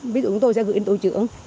ví dụ chúng tôi sẽ gửi đến tổ chưởng